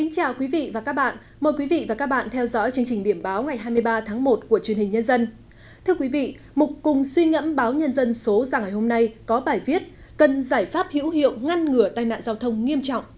chào mừng quý vị đến với bộ phim hãy nhớ like share và đăng ký kênh của chúng mình nhé